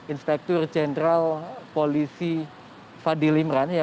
inspektur jenderal polisi fadil imran